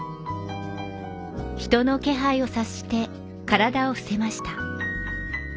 人の気配を察して体を伏せました。